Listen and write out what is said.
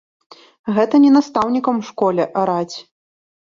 Гэта не настаўнікам у школе араць.